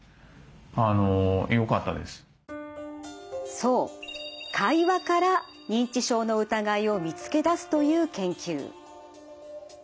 そう会話から認知症の疑いを見つけ出すという研究。